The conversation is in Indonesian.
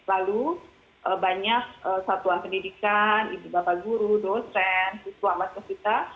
lalu banyak satuan pendidikan ibu bapak guru dosen siswa masuk kita